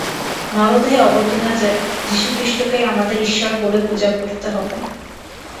নরদেহে অবতীর্ণ যীশুখ্রীষ্টকেই আমাদের ঈশ্বর বলে পূজা করতে হবে।